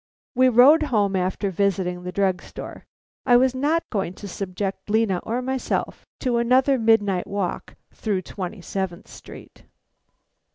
We rode home after visiting the drug store. I was not going to subject Lena or myself to another midnight walk through Twenty seventh Street.